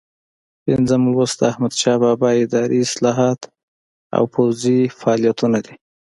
پنځم لوست د احمدشاه بابا اداري اصلاحات او پوځي فعالیتونه دي.